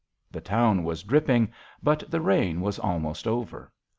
The town was dripping, but the rain was almost over.